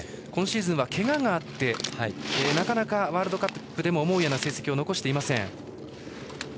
今シーズンけががあってワールドカップでも思うような成績を残していません。